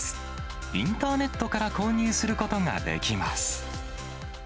インターネットから購入することができます。